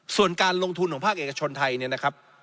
ส่วนการลงทุนของภาคเอกชนไทยเนี่ยนะครับ